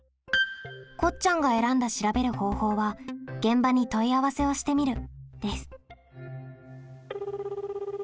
こっちゃんが選んだ調べる方法は「現場に問い合わせをしてみる」です。